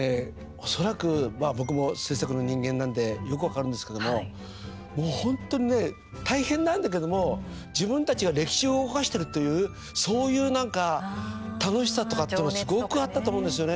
恐らく僕も制作の人間なんでよく分かるんですけどももう本当にね大変なんだけども、自分たちが歴史を動かしてるというそういうなんか楽しさとかってのがすごくあったと思うんですよね。